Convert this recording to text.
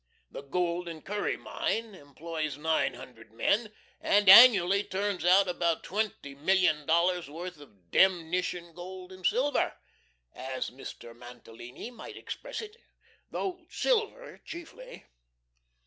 The Gould and Curry Mine employs nine hundred men, and annually turns out about twenty million dollars' worth of "demnition gold and silver," as Mr. Mantalini might express it, though silver chiefly.